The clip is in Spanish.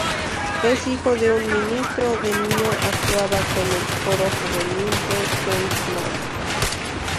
Es hijo de un ministro; de niño actuaba con el coro juvenil de Queensland.